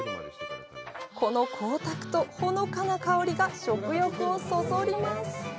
この光沢とほのかな香りが食欲をそそります。